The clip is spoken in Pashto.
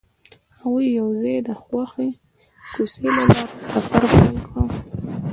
هغوی یوځای د خوښ کوڅه له لارې سفر پیل کړ.